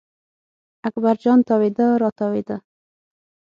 اکبر جان تاوېده را تاوېده.